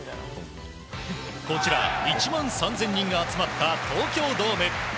こちら１万３０００人が集まった東京ドーム。